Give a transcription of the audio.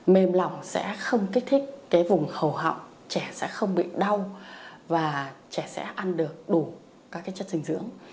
mềm lòng sẽ không kích thích cái vùng hầu họng trẻ sẽ không bị đau và trẻ sẽ ăn được đủ các chất dinh dưỡng